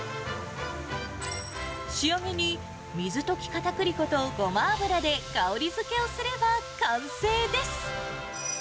仕上げに水溶きかたくり粉とごま油で香りづけをすれば完成です。